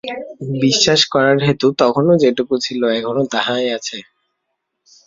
বিশ্বাস করার হেতু তখনো যেটুকু ছিল, এখনো তাহাই আছে।